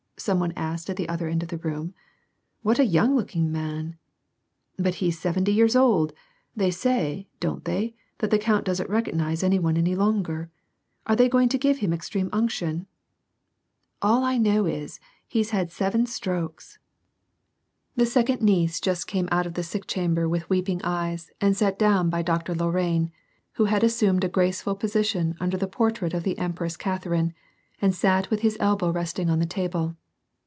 " some one asked at the other end of the room. " What a young looking man !"" But he's seventy years old ! They say, don't they, that the count doesn't recognize any one any longer ? Are they going to give him extreme unction ?" "All I know is, he's had seven strokes." WAR AND PEACE. 83 The second niece just came out of the sick chamber with weeping eyes and sat down by Doctor Lorrain, who had as sumed a graceful position under the portrait of the Empress Catherine, and sat with his elbow resting on the table.